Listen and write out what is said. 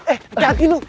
eh eh hati hati lu